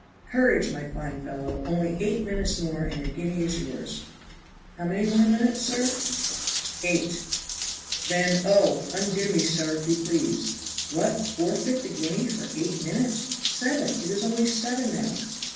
"Courage, my fine fellow, only eight minutes more and the guinea is yours. "How many more minutes, sir?" "Eight." "Then, oh! undo me, sir, if you please." "What! forfeit the guinea for eight minutes seven, it is only seven now."